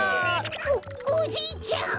おおじいちゃん！